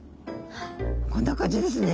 こんな感じですね。